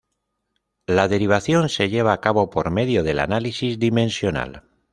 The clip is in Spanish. La derivación se lleva a cabo por medio del análisis dimensional.